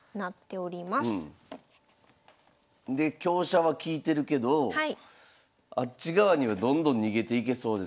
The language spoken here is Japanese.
で香車は利いてるけどあっち側にはどんどん逃げていけそうですが。